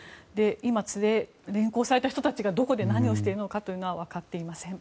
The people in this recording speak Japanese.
今、連行された人たちがどこで何をしているのかは分かっていません。